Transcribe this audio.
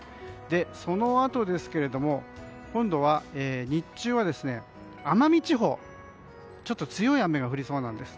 そのあと、今度日中は奄美地方ちょっと強い雨が降りそうなんです。